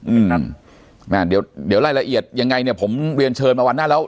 อืมนั่นเดี๋ยวไล่ละเอียดยังไงเนี่ยผมเรียนเชิญมาวันหน้าแล้ว